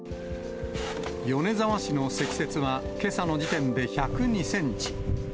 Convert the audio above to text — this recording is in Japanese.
米沢市の積雪は、けさの時点で１０２センチ。